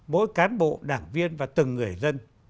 mỗi cán bộ đảng viên và từng người dân